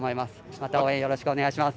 また応援よろしくお願いします。